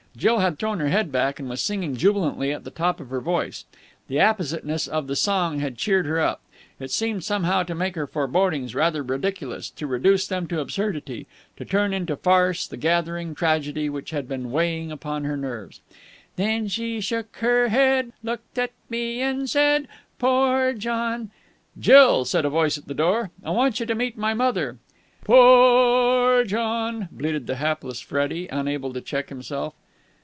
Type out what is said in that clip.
Jill had thrown her head back, and was singing jubilantly at the top of her voice. The appositeness of the song had cheered her up. It seemed somehow to make her forebodings rather ridiculous, to reduce them to absurdity, to turn into farce the gathering tragedy which had been weighing upon her nerves. Then she shook her head, Looked at me and said: 'Poor John!'.... "Jill," said a voice at the door. "I want you to meet my mother!" "Poo oo oor John!" bleated the hapless Freddie, unable to check himself.